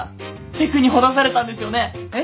テクにほだされたんですよね？